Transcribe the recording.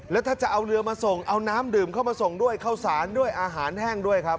แล้วถ้าจะเอาเรือมาส่งเอาน้ำดื่มเข้ามาส่งด้วยข้าวสารด้วยอาหารแห้งด้วยครับ